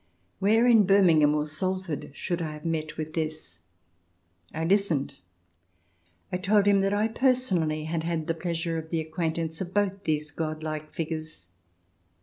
Where in Birmingham or Salford should I have met with this? I listened. I told 8^ THE DESIRABLE ALIEN [ch. ii him that I personally had had the pleasure of the acquaintance of both these godlike personages.